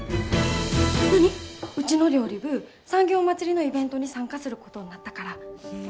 うちの料理部産業まつりのイベントに参加することになったから。